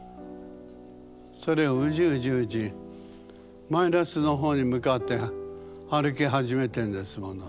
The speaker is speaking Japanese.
それをウジウジウジマイナスの方に向かって歩き始めてんですもの。